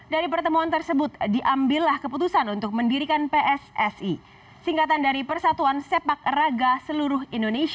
dari pertemuan tersebut diambillah keputusan untuk mendirikan pssi singkatan dari persatuan sepak raga seluruh indonesia